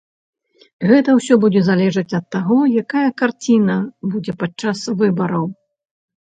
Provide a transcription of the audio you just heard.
Гэта ўсё будзе залежаць ад таго, якая карціна будзе падчас выбараў.